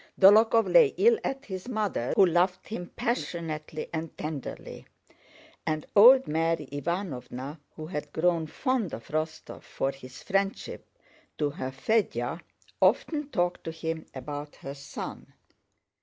Dólokhov lay ill at his mother's who loved him passionately and tenderly, and old Mary Ivánovna, who had grown fond of Rostóv for his friendship to her Fédya, often talked to him about her son.